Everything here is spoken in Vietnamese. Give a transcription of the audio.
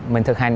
mình thực hành